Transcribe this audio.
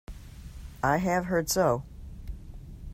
I have heard so.